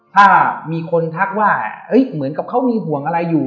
ถ้ามีคนทักว่าเหมือนกับเขามีห่วงอะไรอยู่